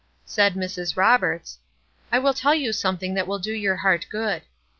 Said Mrs. Roberts: "I will tell you something that will do your heart good.